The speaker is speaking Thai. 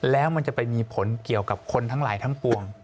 แล้วมันจะไปมีผลเกี่ยวกับคนทั้งหลายทั้งปวง